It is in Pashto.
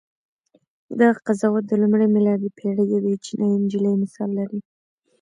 دغه قضاوت د لومړۍ میلادي پېړۍ یوې چینایي نجلۍ مثال لري.